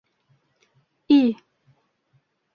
И!